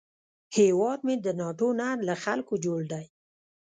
هیواد مې د ناټو نه، له خلکو جوړ دی